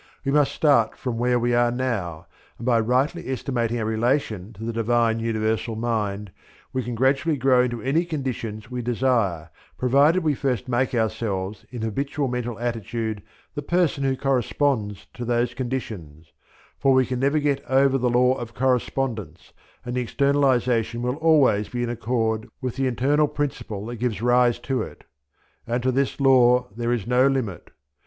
We must start from where we are now, and by rightly estimating our relation to the Divine Universal Mind we can gradually grow into any conditions we desire, provided we first make ourselves in habitual mental attitude the person who corresponds to those conditions: for we can never get over the law of correspondence, and the externalization will always be in accord with the internal principle that gives rise to it. And to this law there is no limit.